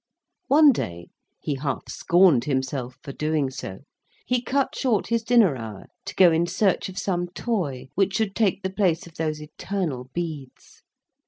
One day—he half scorned himself for doing so—he cut short his dinner hour to go in search of some toy which should take the place of those eternal beads.